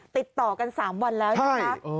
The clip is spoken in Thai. ติดต่อกัน๓วันแล้วนะครับ